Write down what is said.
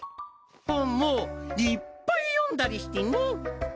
本もいっぱい読んだりしてね！